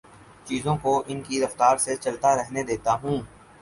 چیزوں کو ان کی رفتار سے چلتا رہنے دیتا ہوں